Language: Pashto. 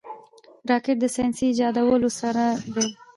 راکټ د ساینسي ایجاداتو سر دی